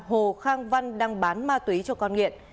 hồ khang văn đang bán ma túy cho con nghiện